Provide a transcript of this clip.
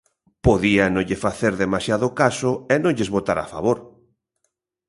Podía non lle facer demasiado caso e non lles votar a favor.